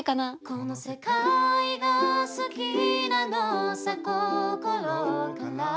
「この世界が好きなのさ心から」